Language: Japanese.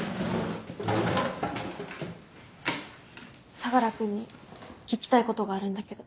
相楽君に聞きたいことがあるんだけど。